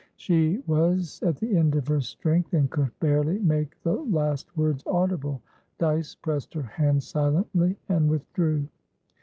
She was at the end of her strength, and could barely make the last words audible. Dyce pressed her hand silently, and withdrew.